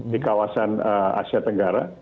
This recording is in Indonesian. di kawasan asia tenggara